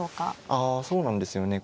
ああそうなんですよね。